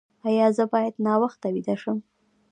ایا زه باید ناوخته ویده شم؟